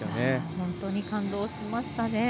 本当に感動しましたね。